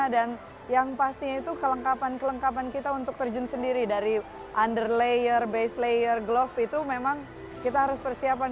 dan yang pastinya itu kelengkapan kelengkapan kita untuk terjun sendiri dari under layer base layer glove itu memang kita harus persiapan